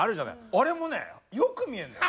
あれもねよく見えるのよ。